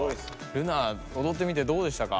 ルナおどってみてどうでしたか？